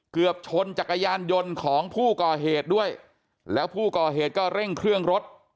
เกือบชนจักรยานยนต์ของผู้ก่อเหตุด้วยแล้วผู้ก่อเหตุก็เร่งเครื่องรถ